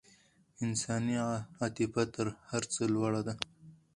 انساني عاطفه تر هر څه لوړه ده.